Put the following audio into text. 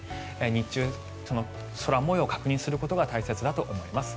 日中、空模様を確認することが大切だと思います。